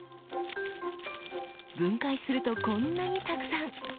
分解するとこんなにたくさん！